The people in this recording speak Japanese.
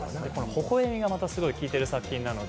微笑みがまたすごいきいている作品なので。